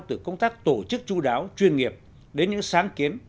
từ công tác tổ chức chú đáo chuyên nghiệp đến những sáng kiến